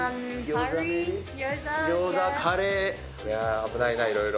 危ないな、いろいろ。